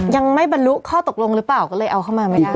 ยังไม่บรรลุข้อตกลงหรือเปล่าก็เลยเอาเข้ามาไม่ได้